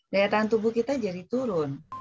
daya tahan tubuh kita jadi turun